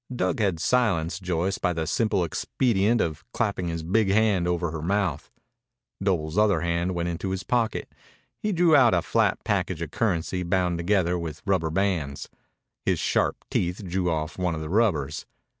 Dug had silenced Joyce by the simple expedient of clapping his big hand over her mouth. Doble's other hand went into his pocket. He drew out a flat package of currency bound together with rubber bands. His sharp teeth drew off one of the rubbers.